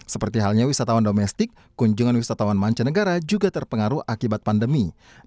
seperti halnya wisatawan domestik kunjungan wisatawan mancanegara juga terpengaruh akibat pandemi